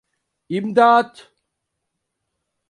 İmdat!